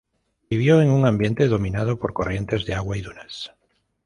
Vivió en un ambiente dominado por corrientes de agua y dunas.